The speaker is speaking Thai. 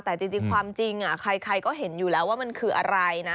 แต่จริงความจริงใครก็เห็นอยู่แล้วว่ามันคืออะไรนะ